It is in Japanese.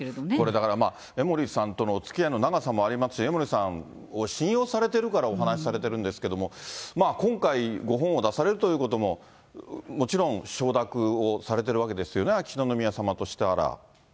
だから、江森さんとのおつきあいの長さもありますし、江森さんを信用されてるからお話されてるんですけれども、まあ、今回ご本を出されるということももちろん承諾をされてるわけですよね、秋篠宮さまとしたら。